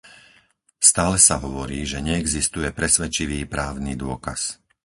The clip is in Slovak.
Stále sa hovorí, že neexistuje presvedčivý právny dôkaz.